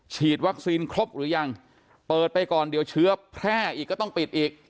ฉีดวัคซีนครบหรือยังเปิดไปก่อนเดี๋ยวเชื้อแพร่อีกก็ต้องปิดอีก